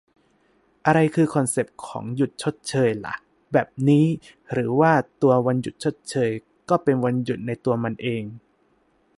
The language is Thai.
อะไรคือคอนเซปต์ของ "หยุดชดเชย" ล่ะ แบบนี้ หรือว่าตัววันหยุดชดเชย ก็เป็นวันหยุดในตัวมันเอง ?